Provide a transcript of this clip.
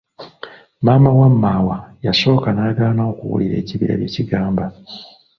Maama wa Maawa yasooka n'agaana okuwulira ekibira byekigamba